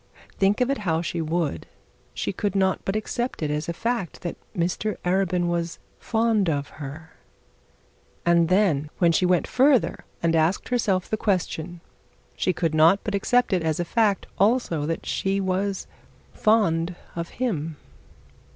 Think of it how she would, she could not but accept it as a fact that Mr Arabin was fond of her; and then when she went further, and asked herself the question, she could not but accept it as a fact also that she was fond of him.